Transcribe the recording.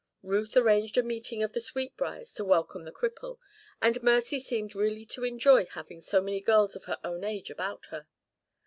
Ruth arranged a meeting of the Sweetbriars to welcome the cripple, and Mercy seemed really to enjoy having so many girls of her own age about her.